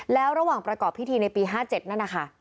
แล้วระหว่างประกอบพิธีในปี๕๗นั่นนะคะ